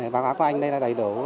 bà gái của anh đây là đầy đủ